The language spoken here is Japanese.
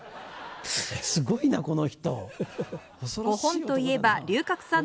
すごいなこの人。